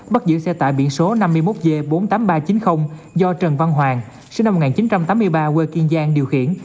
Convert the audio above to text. bắt giữ xe tải biển số năm mươi một g bốn mươi tám nghìn ba trăm chín mươi do trần văn hoàng sinh năm một nghìn chín trăm tám mươi ba quê kiên giang điều khiển